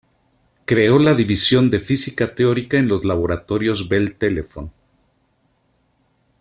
Creó la división de física teórica en los Laboratorios Bell Telephone.